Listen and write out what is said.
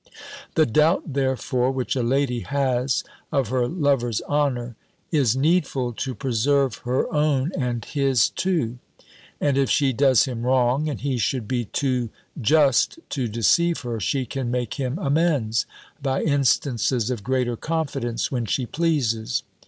"The doubt, therefore, which a lady has of her lover's honour, is needful to preserve her own and his too. And if she does him wrong, and he should be too just to deceive her, she can make him amends, by instances of greater confidence, when she pleases.